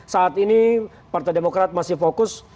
saat ini partai demokrat masih fokus